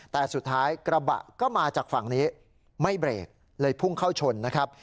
แต่สุดท้ายกระบะก็มาจากฝั่งนี้ไม่เบรกเลยพุ่งเข้าชนนะครับ